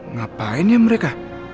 ngapain ya mereka